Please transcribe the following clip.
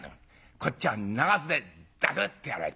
こっちはながすでザクッとやられてる。